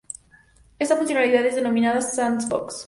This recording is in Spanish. Esta funcionalidad es denominada Sandbox.